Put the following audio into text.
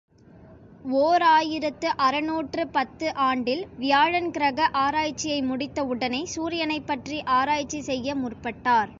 ஓர் ஆயிரத்து அறுநூற்று பத்து ஆண்டில், வியாழன் கிரக ஆராய்ச்சியை முடித்த உடனே, சூரியனைப்பற்றி ஆராய்ச்சி செய்ய முற்பட்டார்.